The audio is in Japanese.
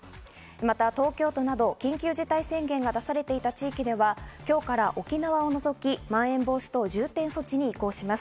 また東京都など緊急事態宣言が出されていた地域では今日から沖縄を除き、まん延防止等重点措置に移行します。